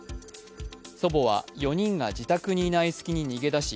祖母は４人が自宅にいない隙に逃げだし